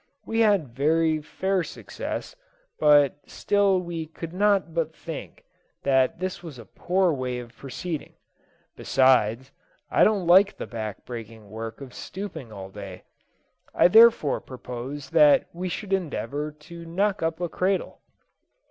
We had very fair success, but still we could not but think that this was a poor way of proceeding; besides, I didn't like the back breaking work of stooping all day. I therefore proposed that we should endeavour to knock up a cradle.